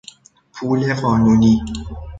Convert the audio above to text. پول قانونی